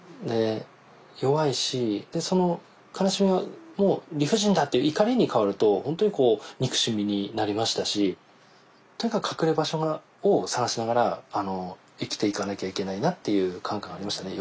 弱いしでその悲しみはもう理不尽だっていう怒りに変わると本当にこう憎しみになりましたしとにかく隠れ場所を探しながら生きていかなきゃいけないなっていう感覚がありましたね。